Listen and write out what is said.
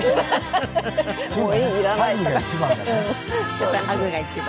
やっぱりハグが一番？